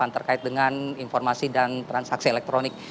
terkait dengan informasi dan transaksi elektronik